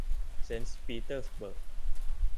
เซนต์ปีเตอร์สเบิร์ก